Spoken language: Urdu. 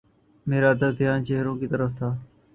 میرا آدھا دھیان چہروں کی طرف تھا۔